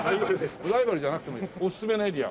ライバルじゃなくてもおすすめのエリア。